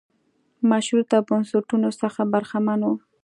مشروطه بنسټونو څخه برخمن و.